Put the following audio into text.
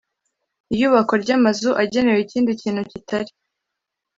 iyubakwa ry amazu agenewe ikindi kintu kitari